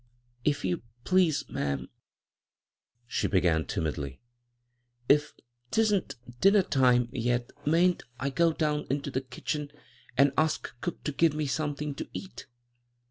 "If you please, ma'am," she began timidly, "if 'tisn't dinner time yet, mayn't I go down into the kitchen and ask cook to g^ve me something to eat